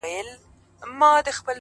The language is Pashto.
د سترگو توري په کي به دي ياده لرم،